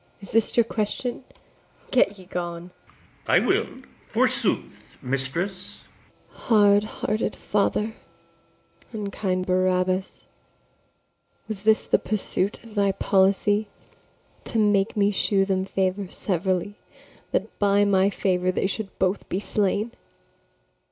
is this your question? get ye gone. ITHAMORE. I will, forsooth, mistress. [Exit.] ABIGAIL. Hard hearted father, unkind Barabas! Was this the pursuit of thy policy, To make me shew them favour severally, That by my favour they should both be slain?